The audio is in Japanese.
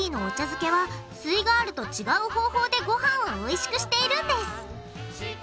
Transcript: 漬けはすイガールと違う方法でごはんをおいしくしているんです。